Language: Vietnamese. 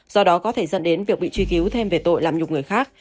do đó có thể dẫn đến việc bị truy cứu thêm về tội làm nhục người khác